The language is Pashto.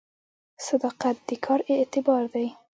صداقت د کار اعتبار دی